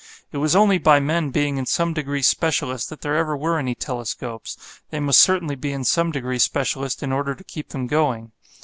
It was only by men being in some degree specialist that there ever were any telescopes; they must certainly be in some degree specialist in order to keep them going.